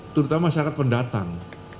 terutama masyarakat pendatang